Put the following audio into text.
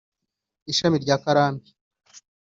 ishami rya Karambi